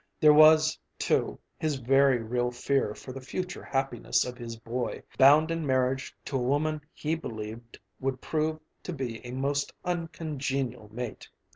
There was, too, his very real fear for the future happiness of his boy, bound in marriage to a woman he believed would prove to be a most uncongenial mate.